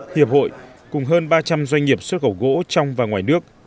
hiệp hội cùng hơn ba trăm linh doanh nghiệp xuất khẩu gỗ trong và ngoài nước